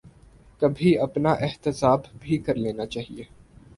کبھی اپنا احتساب بھی کر لینا چاہیے۔